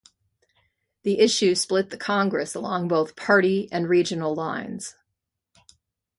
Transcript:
The issue split the Congress along both party and regional lines.